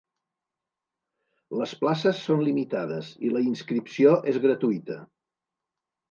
Les places són limitades i la inscripció és gratuïta.